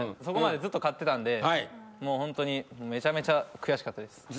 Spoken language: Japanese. そこまでずっと勝ってたんでもうホントにめちゃめちゃ悔しかったです。